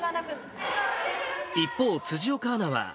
一方、辻岡アナは。